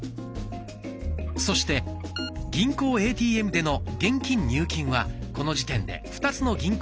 そして銀行ＡＴＭでの現金入金はこの時点で２つの銀行でできます。